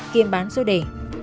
kiêm bán số đề